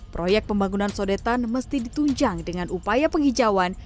proyek pembangunan sodetan mesti ditunjang dengan upaya penghijauan